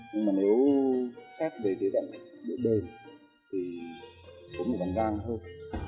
nhưng mà nếu xét về thế đẳng bộ đề thì có một bằng răng hơn